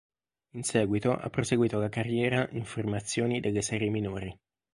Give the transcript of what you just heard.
In seguito ha proseguito la carriera in formazioni delle serie minori.